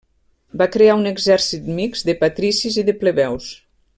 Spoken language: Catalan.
Va crear un exèrcit mixt de patricis i de plebeus.